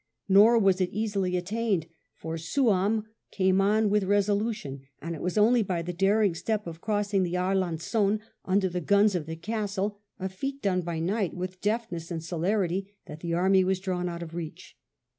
Nor was it easily attained. For Souham came on with resolution; and it was only by the daring step of crossing the Arlanzon under the guns of the castle, a feat done by night with deftness and celerity, that the army was drawn out of reach.